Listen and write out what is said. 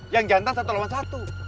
yang jantan satu lawan satu